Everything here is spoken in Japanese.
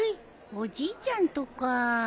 おじいちゃんとかあ。